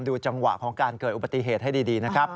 จังหวะของการเกิดอุบัติเหตุให้ดีนะครับ